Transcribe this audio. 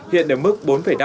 hiện đến mức bốn năm